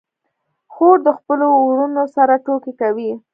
خور له خپلو وروڼو سره ټوکې کوي.